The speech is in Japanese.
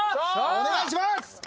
お願いします！